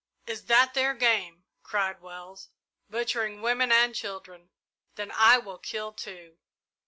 "Is that their game?" cried Wells; "butchering women and children! Then I will kill, too!"